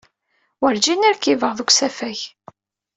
Werjin rkibeɣ deg usafag.